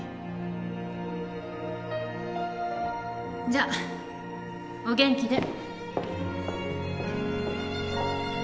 じゃお元気で。